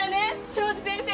庄司先生